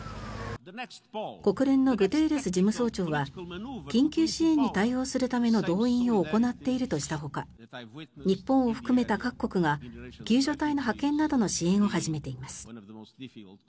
国連のグテーレス事務総長は緊急支援に対応するための動員を行っているとしたほか日本を含めた各国が救助隊の派遣などの支援を始めています。